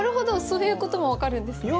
そういうことも分かるんですね。